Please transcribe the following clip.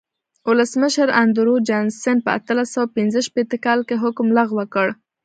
ولسمشر اندرو جانسن په اتلس سوه پنځه شپېته کال کې حکم لغوه کړ.